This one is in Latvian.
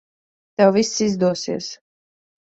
Tev viss izdosies.